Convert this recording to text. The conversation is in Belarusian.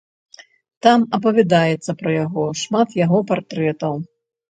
Там апавядаецца пра яго, шмат яго партрэтаў.